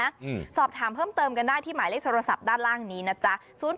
อืมสอบถามเพิ่มเติมกันได้ที่หมายเลขโทรศัพท์ด้านล่างนี้นะจ๊ะ